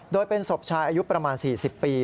โดยเป็นศพชายอายุประมาณ๔๐ปี